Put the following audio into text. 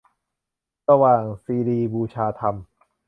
สว่างคีรีบูชาธรรม